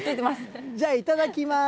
じゃあ、いただきます。